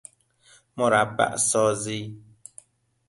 مربع سازی